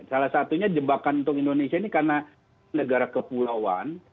salah satunya jebakan untuk indonesia ini karena negara kepulauan